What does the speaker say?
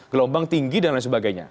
gelombang tinggi dan lain sebagainya